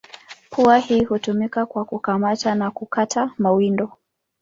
Pua hii hutumika kwa kukamata na kukata mawindo.